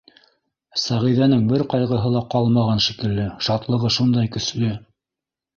— Сәғиҙәнең бер ҡайғыһы ла ҡалмаған шикелле, шатлығы шундай көслө.